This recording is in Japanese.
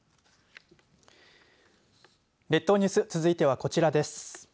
列島ニュース続いてはこちらです。